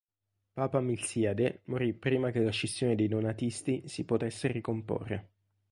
Papa Milziade morì prima che la scissione dei Donatisti si potesse ricomporre.